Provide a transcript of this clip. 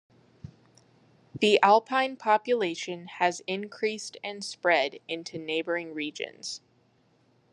The Alpine population has increased and spread into neighbouring regions.